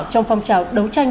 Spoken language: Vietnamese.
trong phong trào đấu tranh